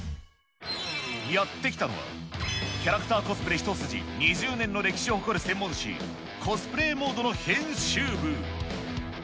やって来たのは、キャラクターコスプレ一筋２０年の歴史を誇る専門誌、コスプレイモードの編集部。